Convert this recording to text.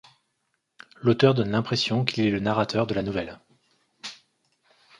L'auteur donne l'impression qu'il est le narrateur de la nouvelle.